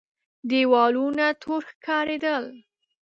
دېوالونه تور ښکارېدل.